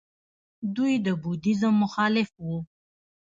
دوی د بودیزم مخالف وو